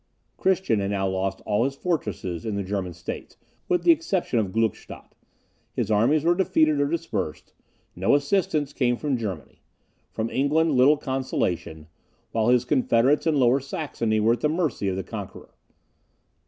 Christian had now lost all his fortresses in the German States, with the exception of Gluckstadt; his armies were defeated or dispersed; no assistance came from Germany; from England, little consolation; while his confederates in Lower Saxony were at the mercy of the conqueror.